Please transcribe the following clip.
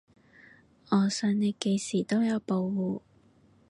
我想你幾時都有保護